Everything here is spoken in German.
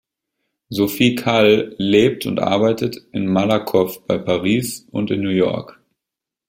Sophie Calle lebt und arbeitet in Malakoff bei Paris und in New York.